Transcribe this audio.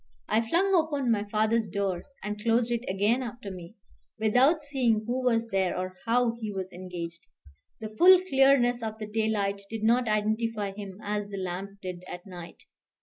I flung open my father's door, and closed it again after me, without seeing who was there or how he was engaged. The full clearness of the daylight did not identify him as the lamp did at night.